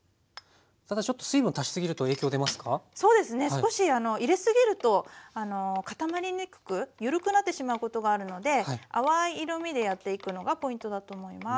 少し入れすぎると固まりにくく緩くなってしまうことがあるので淡い色みでやっていくのがポイントだと思います。